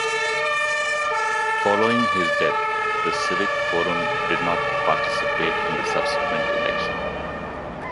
Following his death, the Civic Forum did not participate in the subsequent election.